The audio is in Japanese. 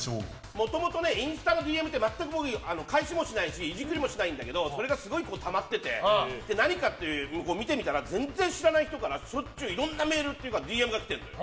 もともと、インスタのＤＭって全く僕は返しもしないしいじくりもしないんだけどそれがすごいたまってて何かって見てみたら全然知らない人からしょっちゅういろいろなメールというかＤＭが来てて。